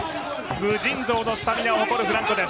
無尽蔵なスタミナを誇るフランコです。